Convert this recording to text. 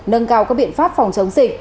nâng cao các biện pháp phòng chống dịch